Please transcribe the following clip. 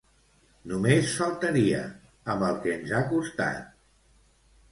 Només faltaria, amb el que ens ha costat!